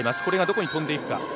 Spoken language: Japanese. これがどこに飛んでいくか。